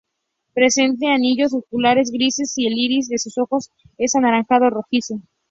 Presenta anillos oculares grises y el iris de sus ojos es anaranjado rojizo.